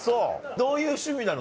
どういう趣味なの？